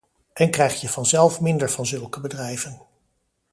En krijg je vanzelf minder van zulke bedrijven.